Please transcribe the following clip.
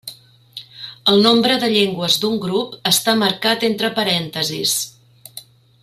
El nombre de llengües d'un grup està marcat entre parèntesis.